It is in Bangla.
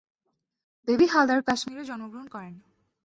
বেবি হালদার কাশ্মীরে জন্মগ্রহণ করেন।